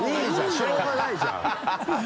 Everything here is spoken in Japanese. しょうがないじゃん。ハハハ